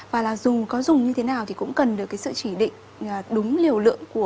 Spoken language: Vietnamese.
và là dù có dùng như thế nào thì cũng cần được cái sự chỉ định đúng liều lượng của